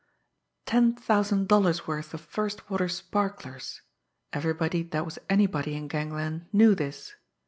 Ten thousand dollars' worth of first water sparklers! Everybody that was anybody in gangland knew this.